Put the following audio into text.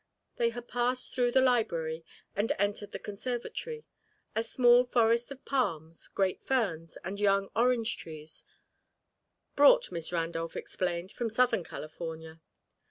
They had passed through the library and entered the conservatory: a small forest of palms, great ferns, and young orange trees; brought, Miss Randolph explained, from Southern California.